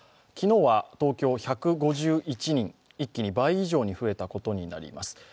昨日は東京は１５１人、一気に倍以上に増えたことになります。